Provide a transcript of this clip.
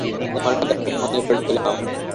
তোমার কথা খুব মনে পড়ছিল আমার।